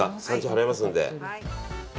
払いますんで。